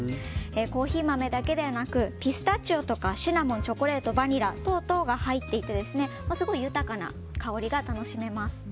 コーヒー豆だけでなくピスタチオやシナモン、チョコレートバニラ等々が入っていてすごい豊かな香りが楽しめます。